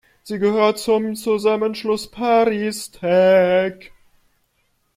Sie gehört zum Zusammenschluss Paristech.